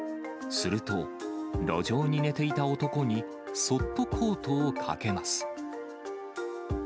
すると、路上に寝ていた男にそっとコートをかけます。